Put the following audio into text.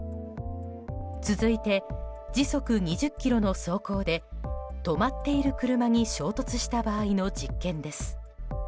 続いて、時速２０キロの走行で止まっている車に衝突した場合の実験です。